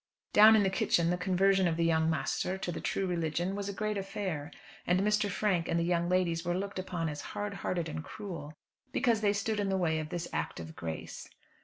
Down in the kitchen the conversion of the "young masther" to the true religion was a great affair, and Mr. Frank and the young ladies were looked upon as hard hearted and cruel, because they stood in the way of this act of grace.